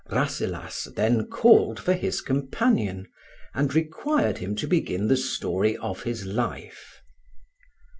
Rasselas then called for his companion, and required him to begin the story of his life.